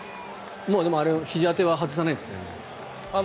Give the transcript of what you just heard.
でも、ひじ当ては外さないんですね。